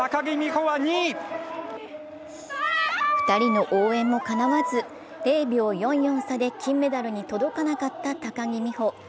２人の応援もかなわず、０秒４４差で金メダルに届かなかった高木美帆。